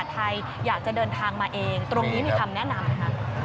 ไทยอยากจะเดินทางมาเองตรงนี้มีคำแนะนำค่ะ